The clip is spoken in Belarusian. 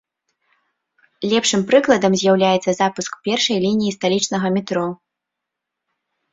Лепшым прыкладам з'яўляецца запуск першай лініі сталічнага метро.